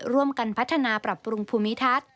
ร่วมกันพัฒนาปรับปรุงภูมิทัศน์